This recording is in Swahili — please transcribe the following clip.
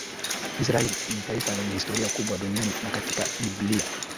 Israel ni taifa lenye historia kubwa duniani na katika biblia